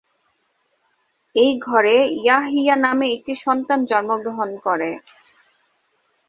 এই ঘরে ইয়াহইয়া নামে একটি সন্তান জন্মগ্রহণ করে।